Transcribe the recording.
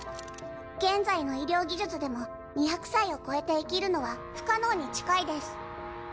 現在の医療技術でも２００歳を超えて生きるのは不可能に近いです。